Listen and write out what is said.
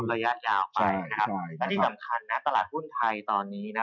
และที่สำคัญนะตลาดหุ้นไทยตอนนี้นะ